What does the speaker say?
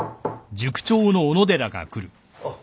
・あっ